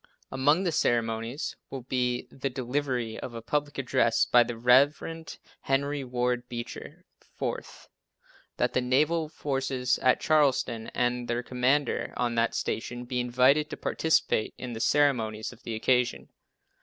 Among the ceremonies will be the delivery of a public address by the Rev. Henry Ward Beecher. Fourth, That the naval forces at Charleston and their Commander on that station be invited to participate in the ceremonies of the occasion.